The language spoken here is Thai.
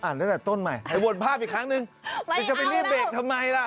อืมอืมอืมอืมอืม